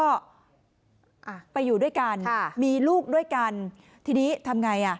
อ่ะไปอยู่ด้วยกันค่ะมีลูกด้วยกันทีนี้ทำไงอ่ะ